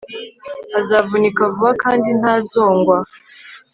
Azavunika vuba kandi ntazungwa